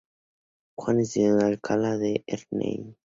Juan estudió en Alcalá de Henares.